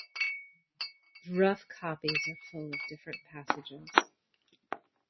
His rough copies are full of different passages.